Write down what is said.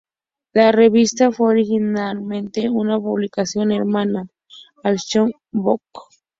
La revista fue originalmente una publicación hermana al "Shōnen Book".